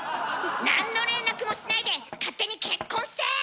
何の連絡もしないで勝手に結婚して！